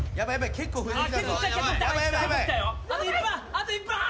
あと１分半！